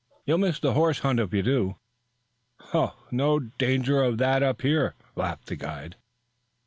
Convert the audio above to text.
You'll miss the horse hunt if you do." "No danger of that up here," laughed the guide.